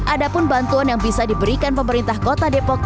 ada pun bantuan yang bisa diberikan pemerintah kota depok